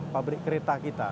pabrik kereta kita